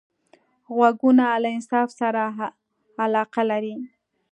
غوږونه له انصاف سره علاقه لري